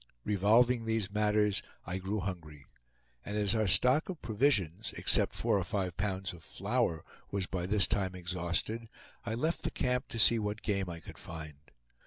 Revolving these matters, I grew hungry; and as our stock of provisions, except four or five pounds of flour, was by this time exhausted, I left the camp to see what game I could find.